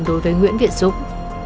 đối với nguyễn việt dũng